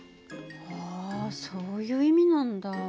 はあそういう意味なんだ。